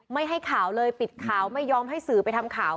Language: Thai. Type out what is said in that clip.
ไม่ให้ข่าวเลยปิดข่าวไม่ยอมให้สื่อไปทำข่าว